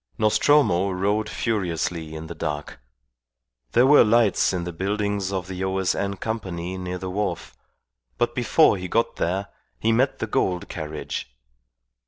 Nostromo rode furiously in the dark. There were lights in the buildings of the O.S.N. Company near the wharf, but before he got there he met the Gould carriage.